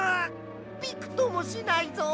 びくともしないぞ！